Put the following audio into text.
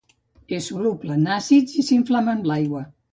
És soluble en àcids i s'infla amb l'aigua.